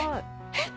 えっ？